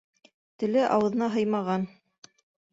Теле ауыҙына һыймаған